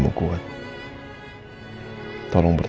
masih be fé